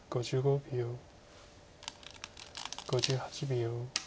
５８秒。